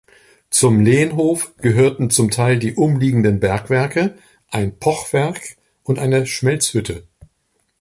Zum Lehnhof gehörten zum Teil die umliegenden Bergwerke, ein Pochwerk und eine Schmelzhütte.